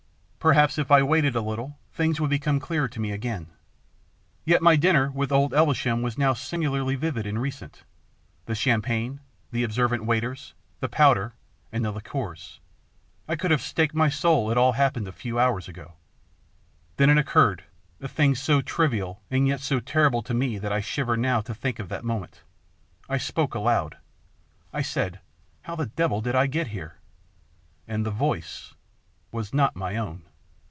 Per haps if I waited a little, things would be clearer to me again. Yet my dinner with old Elvesham was now singularly vivid and recent. The champagne, the observant waiters, the powder, and the liqueurs I could have staked my soul it all happened a few hours ago. And then occurred a thing so trivial and yet so terrible to me that I shiver now to think of that moment. I spoke aloud. I said, " How the devil did I get here?" ... And the voice was not my own.